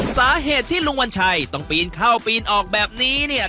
สาเหตุที่ลุงวัญชัยต้องปีนเข้าปีนออกแบบนี้เนี่ย